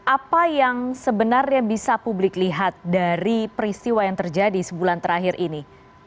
apa yang sebenarnya bisa publik lihat dari peristiwa yang terjadi sebulan terakhir ini